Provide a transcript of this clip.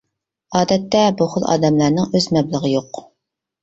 ئادەتتە بۇ خىل ئادەملەرنىڭ ئۆز مەبلىغى يوق.